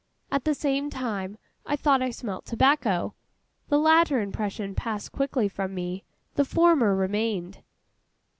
At the same time, I thought I smelt tobacco. The latter impression passed quickly from me; the former remained.